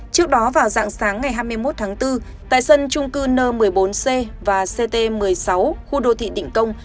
trước đó vào dạng sáng ngày hai mươi một tháng bốn tại sân trung cư n một mươi bốn c và ct một mươi sáu khu đô thị định công